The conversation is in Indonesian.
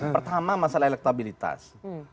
pertama masalah elektabilitas